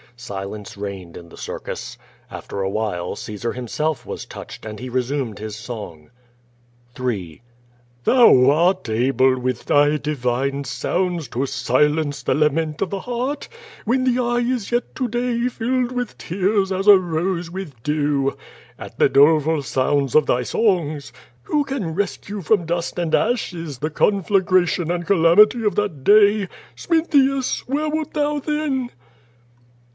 Silence reigned in the circus. After a while Caesar himself was touched, and he resumed his song: III. "Thou art able with thy divine sounds To silence the lament of the heart When the eye is yet to day Filled with tears as a rose with dew, At the doleful sounds of thy songs. Who can rescue from dust and ashes. The conflagration and calamity of that day — Smintheus! where wert thou then?"